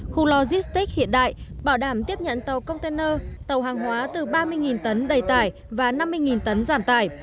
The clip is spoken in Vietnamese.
khu logistics hiện đại bảo đảm tiếp nhận tàu container tàu hàng hóa từ ba mươi tấn đầy tải và năm mươi tấn giảm tải